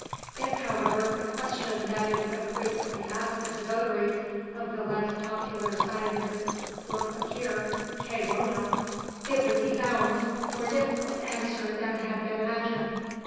If, however, the question that is so frequently asked of the votaries of the less popular sciences were put here "Cui bono?" it would be found more difficult to answer than had been imagined.